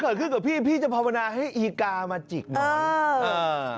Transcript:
อย่าขึ้นกับพี่พี่จะพร้อมนาให้อีกามาจิกน้อย